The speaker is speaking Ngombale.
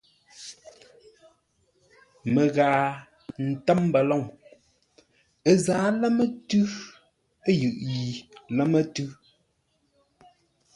Məghaa, ə́ ntə́m mbəlôŋ. Ə zǎa lámə́-tʉ́ yʉʼ yi lámə́-tʉ́.